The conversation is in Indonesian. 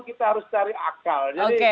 kita harus cari akal